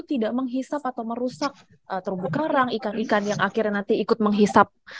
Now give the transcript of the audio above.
tidak menghisap atau merusak terumbu karang ikan ikan yang akhirnya nanti ikut menghisap